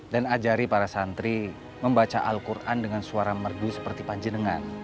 dan ajari para santri membaca al quran dengan suara merdu seperti panjenengan